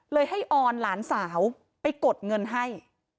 ให้ออนหลานสาวไปกดเงินให้